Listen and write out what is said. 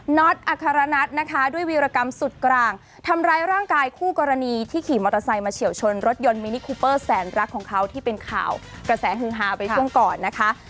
็อตอัครนัทนะคะด้วยวีรกรรมสุดกลางทำร้ายร่างกายคู่กรณีที่ขี่มอเตอร์ไซค์มาเฉียวชนรถยนต์มินิคูเปอร์แสนรักของเขาที่เป็นข่าวกระแสฮือฮาไปช่วงก่อนนะคะ